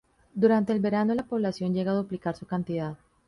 Durante el verano, la población llega a duplicar su cantidad.